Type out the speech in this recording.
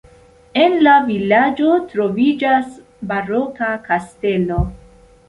En la vilaĝo troviĝas baroka kastelo.